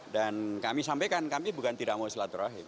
dan kami sampaikan kami bukan tidak mau selatrahim